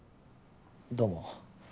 どうも。